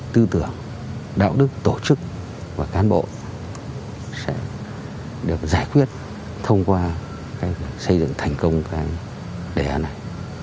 tư tưởng đạo đức tổ chức và cán bộ sẽ được giải quyết thông qua xây dựng thành công đề án này